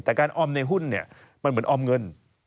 แต่การออมในหุ้นเนี่ยมันเหมือนออมเงิน